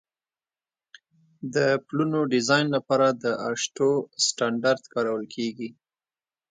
د پلونو ډیزاین لپاره د اشټو سټنډرډ کارول کیږي